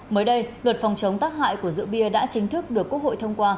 mới đây luật phòng chống tác hại của rượu bia đã chính thức được quốc hội thông qua